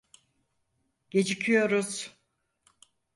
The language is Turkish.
Gecikiyoruz.